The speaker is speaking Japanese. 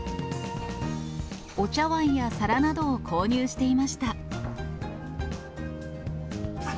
お茶わんや皿などを購入していました。